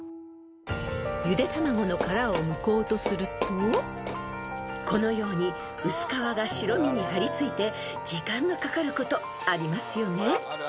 ［ゆで卵の殻をむこうとするとこのように薄皮が白身に張り付いて時間がかかることありますよね］